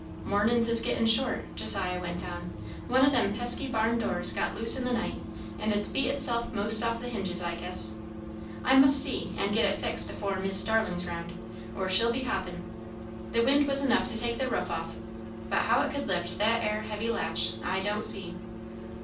"Mornin's is gettin' short," Josiah went on. "One o' them pesky barn doors got loose in the night, and it's beat itself 'most off the hinges, I guess. I must see and get it fixed afore Mis' Starlin's round, or she'll be hoppin'. The wind was enough to take the ruff off, but how it could lift that 'ere heavy latch, I don't see."